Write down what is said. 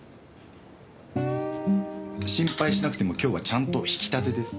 心配しなくても今日はちゃんと挽きたてです。